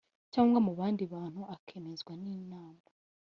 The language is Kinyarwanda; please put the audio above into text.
cyangwa mu bandi bantu akemezwa n Inama